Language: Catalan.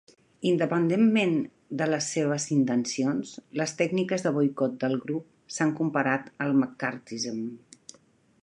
Independentment de les seves intencions, les tècniques de boicot del grup s'han comparat al McCarthyism.